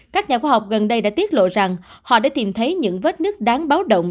các nhà khoa học gần đây đã tiết lộ rằng họ đã tìm thấy những vết nứt đáng báo động